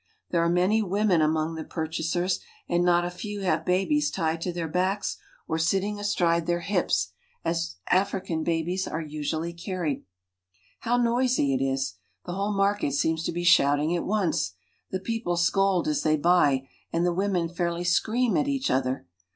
There I are many women among the purchasers, and not a few have babies tied to their backs or sitting astride their hips, | as African babies are usually carried. How noisy it is ! The whole market seems to be shout J ing at once. The people scold as they buy ; and the j ■Women fairly scream at each other.